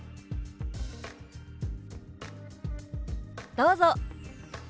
どうぞ。